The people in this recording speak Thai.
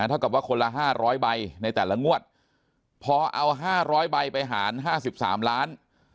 นะถ้ากับว่าคนละห้าร้อยใบในแต่ละงวดพอเอาห้าร้อยใบไปหารห้าสิบสามล้าน